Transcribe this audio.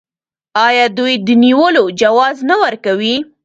آیا دوی د نیولو جواز نه ورکوي؟